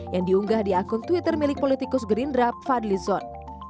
yang diunggah di akun twitter milik politikus gerindra fadlison